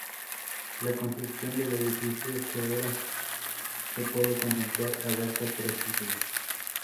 La construcción del edificio que ahora se puede contemplar abarca tres siglos.